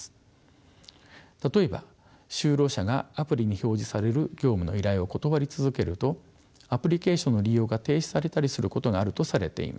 例えば就労者がアプリに表示される業務の依頼を断り続けるとアプリケーションの利用が停止されたりすることがあるとされています。